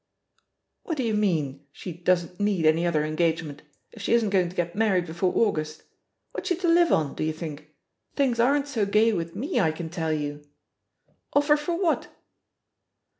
"What do you mean, she ^doesn't need any other engagement,' if she isn't going to get mar ried before August? What's she to live on, do you think? Things aren't so gay with me, I can tell you I Offer for what?"